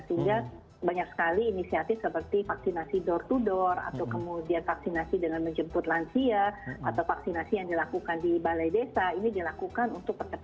sehingga banyak sekali inisiatif seperti vaksinasi door to door atau kemudian vaksinasi dengan menjemput lansia atau vaksinasi yang dilakukan di balai desa ini dilakukan